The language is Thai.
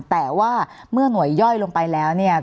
แต่ว่าเมื่อหน่วยย่อยลงไปแล้วเนี่ย